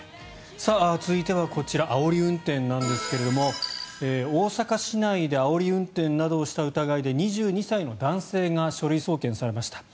続いては、こちらあおり運転なんですが大阪市内であおり運転などをした疑いで２２歳の男性が書類送検されました。